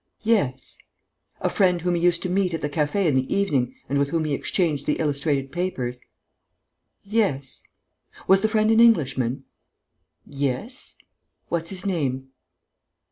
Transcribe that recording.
"Yes." "A friend whom he used to meet at the café in the evening and with whom he exchanged the illustrated papers?" "Yes." "Was the friend an Englishman?" "Yes." "What's his name?"